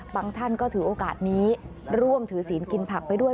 ท่านก็ถือโอกาสนี้ร่วมถือศีลกินผักไปด้วย